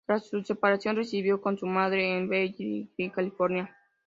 Tras su separación, residió con su madre en Beverly Hills, California.